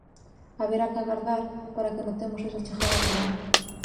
Haberá que agardar para que notemos esa chegada do verán.